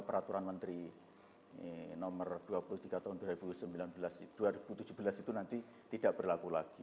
peraturan menteri nomor dua puluh tiga tahun dua ribu tujuh belas itu nanti tidak berlaku lagi